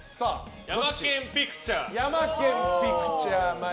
ヤマケン・ピクチャー。